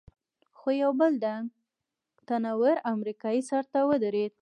خو یو بل ډنګ، تن ور امریکایي سر ته ودرېد.